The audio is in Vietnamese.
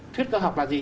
thuyết cơ học là gì